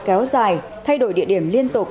kéo dài thay đổi địa điểm liên tục